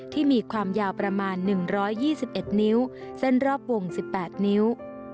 ที่มีความยาวประมาณ๑๒๑นิ้วเส้นรอบวง๑๘นิ้ว